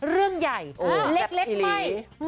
เรื่องใหญ่เล็กไหม้